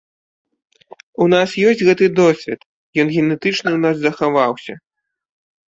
У нас ёсць гэты досвед, ён генетычна ў нас захаваўся.